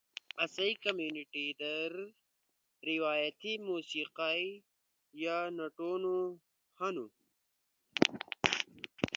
آسئی کمیونٹی در روایتی موسیقئی یا نتونو ہنو۔